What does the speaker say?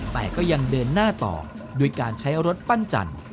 แต่ก็ยังเดินหน้าต่อด้วยการใช้รถปั้นจันทร์